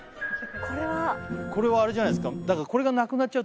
これはこれはあれじゃないですか